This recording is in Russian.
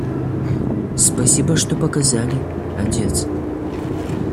Спасибо, что показали, отец.